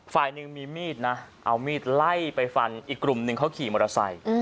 ฝ่ายหนึ่งมีมีดนะเอามีดไล่ไปฟันอีกกลุ่มหนึ่งเขาขี่มอเตอร์ไซค์